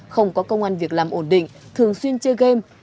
không có công an việc làm ổn định thường xuyên chơi game